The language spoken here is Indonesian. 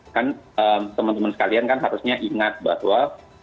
kan teman teman sekalian kan harusnya ingat bahwa